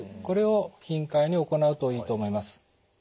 これを頻回に行うといいと思います。